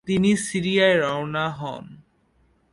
তিনি সিরিয়ায় রওয়ানা হন।